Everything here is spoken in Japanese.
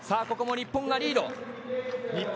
ここも日本がリード。